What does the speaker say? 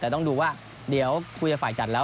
แต่ต้องดูว่าเดี๋ยวคุยกับฝ่ายจัดแล้ว